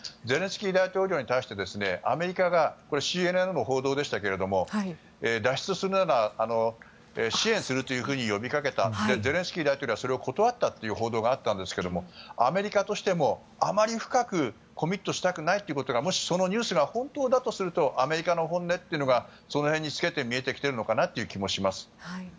ゼレンスキー大統領に対してアメリカがこれはＣＮＮの報道でしたけれど脱出するなら支援するというふうに呼びかけたけどゼレンスキー大統領はそれを断ったという報道があったんですけどアメリカとしてもあまり深くコミットしたくないということがもし、そのニュースが本当だとするとアメリカの本音というのがその辺に透けて見えてきているのかなという気もします。